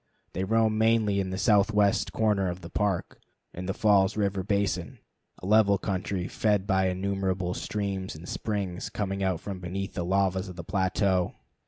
They roam mainly in the southwest corner of the Park, in the Falls River Basin, a level country fed by innumerable streams and springs coming out from beneath the lavas of the plateau.